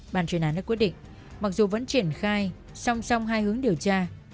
bàn chuyên án đã quyết định mặc dù vẫn triển khai song song hai hướng điều tra